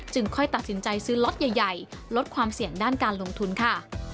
ค่อยตัดสินใจซื้อล็อตใหญ่ลดความเสี่ยงด้านการลงทุนค่ะ